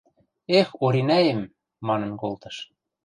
– Эх, Оринӓэм! – манын колтыш